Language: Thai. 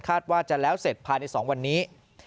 คาดว่าจะแล้วเสร็จผ่านอีกสองวันนี้